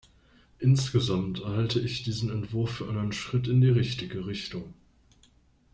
Insgesamt halte ich diesen Entwurf für einen Schritt in die richtige Richtung.